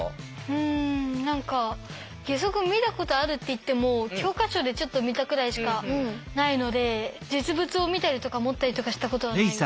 うん何か義足見たことあるっていっても教科書でちょっと見たくらいしかないので実物を見たりとか持ったりとかしたことはないです。